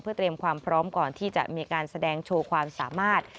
เตรียมความพร้อมก่อนที่จะมีการแสดงโชว์ความสามารถ